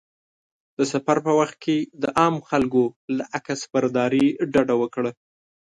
د سفر په وخت کې د عامو خلکو له عکسبرداري ډډه وکړه.